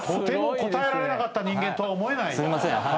とても答えられなかった人間とは思えない。